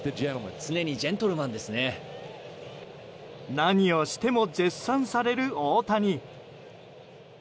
何をしても絶賛される大谷。